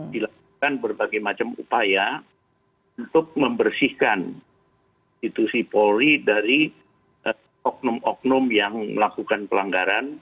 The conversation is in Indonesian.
dilakukan berbagai macam upaya untuk membersihkan institusi polri dari oknum oknum yang melakukan pelanggaran